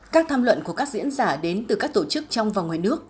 các tham luận của các diễn giả đến từ các tổ chức trong và ngoài nước